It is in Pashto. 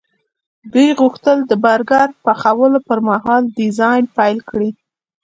دوی غوښتل د برګر پخولو پرمهال ډیزاین پیل کړي